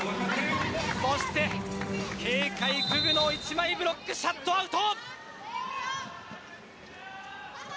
そして、警戒クグノ１枚ブロック、シャットアウト。